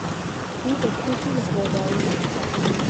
بوو بە کچێکی لەخۆبایی.